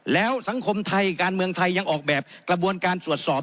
แล้วสังคมไทยการเมืองไทยยังออกแบบกระบวนการตรวจสอบ